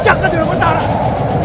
jangan lupa tuhan